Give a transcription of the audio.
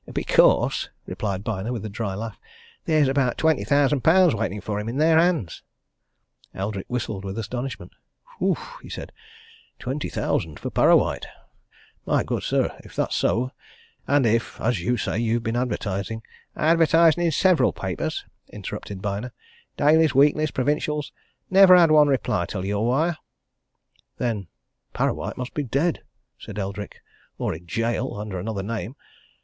"Because," replied Byner with a dry laugh, "there's about twenty thousand pounds waiting for him, in their hands." Eldrick whistled with astonishment. "Whew!" he said. "Twenty thousand for Parrawhite! My good sir if that's so, and if, as you say, you've been advertising " "Advertising in several papers," interrupted Byner. "Dailies, weeklies, provincials. Never had one reply, till your wire." "Then Parrawhite must be dead!" said Eldrick. "Or in gaol, under another name.